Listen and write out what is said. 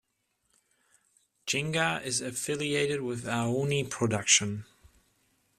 Ginga is affiliated with Aoni Production.